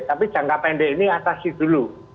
tapi jangka pendek ini atasi dulu